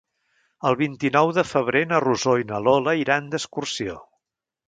El vint-i-nou de febrer na Rosó i na Lola iran d'excursió.